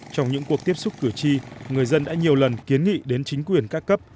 trong những cuộc tiếp xúc cử tri người dân đã nhiều lần kiến nghị đến chính quyền các cấp